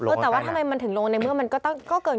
แต่ว่าทำไมมันถึงลงในเมื่อมันก็เกิน